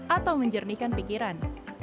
atau menjernihkan pikiran